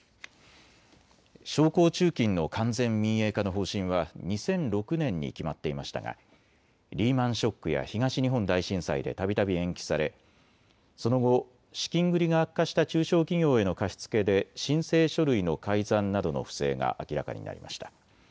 商工中金の完全民営化の方針は２００６年に決まっていましたがリーマンショックや東日本大震災でたびたび延期されその後、資金繰りが悪化した中小企業への貸し付けで申請書類の改ざんなどの不正が明らかになりました。